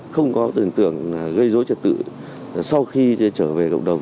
không có tình tưởng gây dối trật tự sau khi trở về cộng đồng